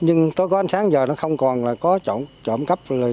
nhưng có ánh sáng giờ nó không còn trộm cấp